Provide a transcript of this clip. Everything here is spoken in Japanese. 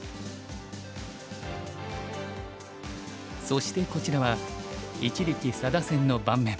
そしてこちらは一力・佐田戦の盤面。